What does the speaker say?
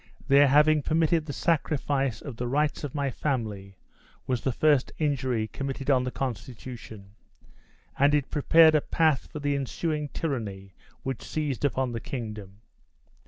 Their having permitted the sacrifice of the rights of my family was the first injury committed on the constitution, and it prepared a path for the ensuing tyranny which seized upon the kingdom.